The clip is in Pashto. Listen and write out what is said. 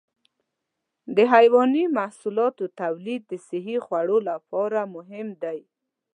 د حيواني محصولاتو تولید د صحي خوړو لپاره مهم دی.